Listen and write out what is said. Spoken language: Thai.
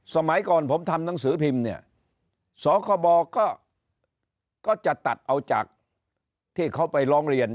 สมัยก่อนผมทำหนังสือพิมพ์เนี่ยสคบก็จะตัดเอาจากที่เขาไปร้องเรียน